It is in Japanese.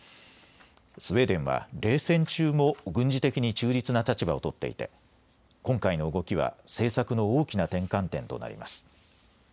スウェーデンは冷戦中も軍事的に中立な立場を取っていて今回の動きは政策の大きな転換点となります。